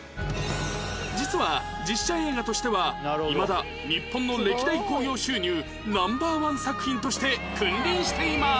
実は実写映画としてはいまだ日本の歴代興行収入ナンバー１作品として君臨しています